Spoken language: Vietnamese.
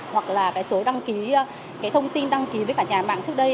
hoặc là cái số đăng ký cái thông tin đăng ký với cả nhà mạng trước đây